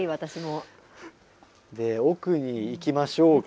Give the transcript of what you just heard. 奥に行きましょうか。